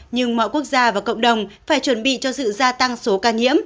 nhưng mọi quốc gia và cộng đồng phải chuẩn bị cho sự gia tăng số ca nhiễm